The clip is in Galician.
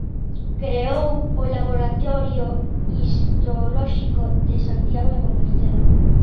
Creou o Laboratorio Histolóxico de Santiago de Compostela.